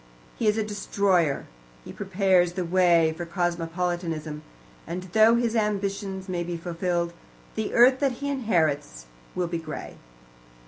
He is a destroyer. He prepares the way for cosmopolitanism, and though his ambitions may be fulfilled, the earth that he inherits will be grey.